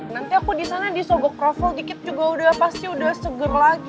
nanti aku di sana di sogok kroffel dikit juga udah pasti udah seger lagi